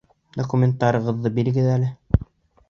Документтарығыҙҙы бирегеҙ әле?